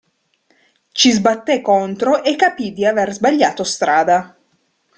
Ci sbatté contro e capì di aver sbagliato strada.